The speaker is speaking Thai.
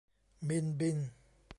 บินบิน